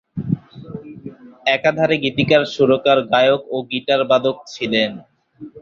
একাধারে গীতিকার, সুরকার, গায়ক ও গিটারবাদক ছিলেন।